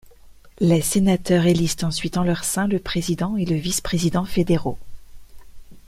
Les sénateurs élisent ensuite en leur sein le président et le vice-président fédéraux.